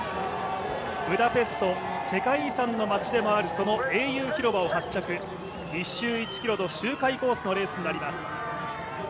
ブダペスト世界遺産の街でもあるその英雄広場を発着、１周１ｋｍの周回コースのレースになります。